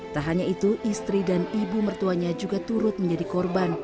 tak hanya itu istri dan ibu mertuanya juga turut menjadi korban